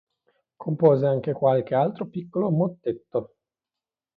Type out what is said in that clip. Compose anche qualche altro piccolo mottetto.